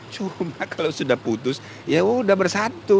cuma kalau sudah putus ya wah sudah bersatu